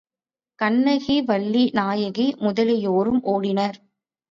கண்ணகி, வள்ளி நாயகி முதலியோரும் ஓடினர்.